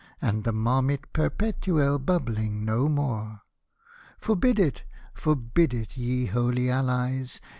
And the Marmite Perpdtuelle bubbling no more ! Forbid it, forbid it, ye Holy Allies